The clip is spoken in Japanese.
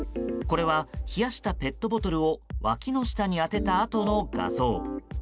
これは、冷やしたペットボトルをわきの下に当てたあとの画像。